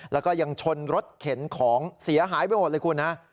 แล้วก็ยังชนรถเข็นของเสียหายไปหมดเลยคุณฮะ